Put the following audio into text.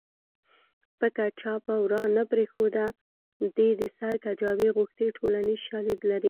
پکه چا په ورا نه پرېښوده دې د سر کجاوې غوښتې ټولنیز شالید لري